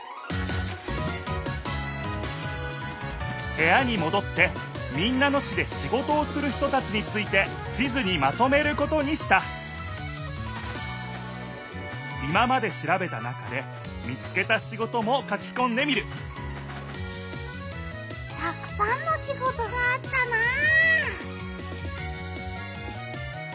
へやにもどって民奈野市でシゴトをする人たちについて地図にまとめることにした今までしらべた中で見つけたシゴトも書きこんでみるたくさんのシゴトがあったなあ。